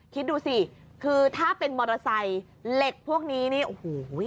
คิดดูสิคือถ้าเป็นมอเตอร์ไซค์เหล็กพวกนี้นี่โอ้โห